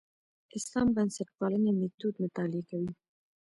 اسلام بنسټپالنې میتود مطالعه کوي.